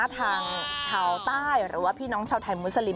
ทางชาวใต้หรือว่าพี่น้องชาวไทยมุสลิม